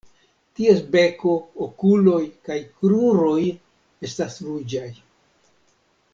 Ties beko, okuloj kaj kruroj estas ruĝaj.